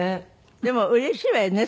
でもうれしいわよね